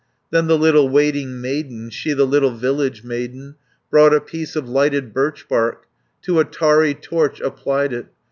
Then the little waiting maiden, She, the little village maiden, Brought a piece of lighted birchbark, To a tarry torch applied it.